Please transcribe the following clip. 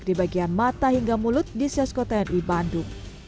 di bagian mata hingga mulut di sias kota ni bandung